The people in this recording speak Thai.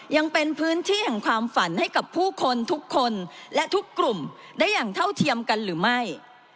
ยังเป็นพื้นที่แห่งความฝันให้กับผู้คนทุกคนและทุกกลุ่มได้อย่างเท่าเทียมกันหรือไม่